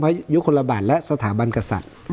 ยุคลบาทและสถาบันกษัตริย์